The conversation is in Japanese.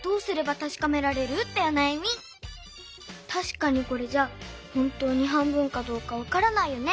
たしかにこれじゃほんとに半分かどうかわからないよね。